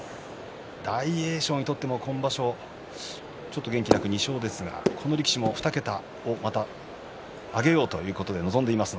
大栄翔にとっても今場所ちょっと元気なく２勝ですがこの力士も２桁をまた挙げようということで臨んでいます。